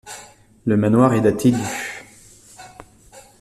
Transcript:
Le manoir est daté du -.